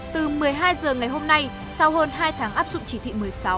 từ một mươi hai h ngày hôm nay sau hơn hai tháng áp dụng chỉ thị một mươi sáu